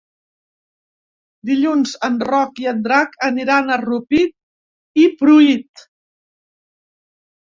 Dilluns en Roc i en Drac aniran a Rupit i Pruit.